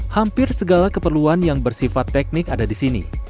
hampir segala keperluan yang bersifat teknik ada di sini